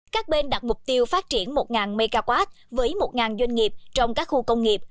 các bên đặt mục tiêu phát triển một mw với một doanh nghiệp trong các khu công nghiệp